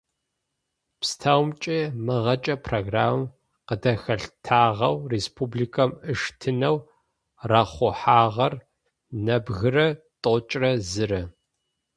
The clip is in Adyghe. Пстэумкӏи мыгъэкӏэ программэм къыдыхэлъытагъэу республикэм ыштэнэу рахъухьагъэр нэбгырэ тӏокӏырэ зырэ.